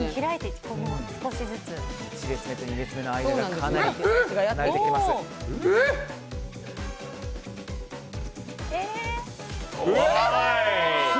１列目と２列目の間がかなり開いています。